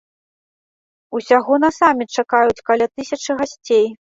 Усяго на саміт чакаюць каля тысячы гасцей.